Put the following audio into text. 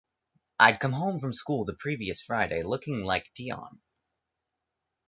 I'd come home from school the previous Friday looking like Dion.